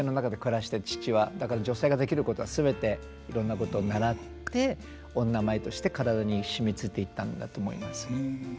だから女性ができることは全ていろんなこと習って女舞として体に染みついていったんだと思います。